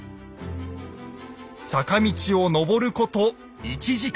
坂道を上ること１時間。